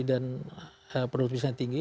dan produksinya tinggi